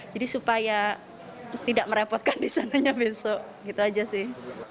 jadi supaya tidak merepotkan di sananya besok gitu aja sih